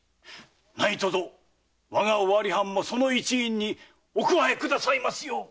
何とぞ我が尾張藩もその一員にお加えくださいますよう。